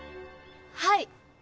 はい。